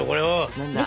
何だ。